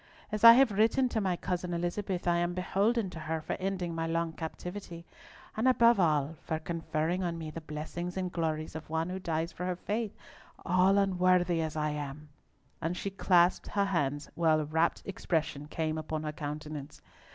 As I have written to my cousin Elizabeth, I am beholden to her for ending my long captivity, and above all for conferring on me the blessings and glories of one who dies for her faith, all unworthy as I am!" and she clasped her hands, while a rapt expression came upon her countenance.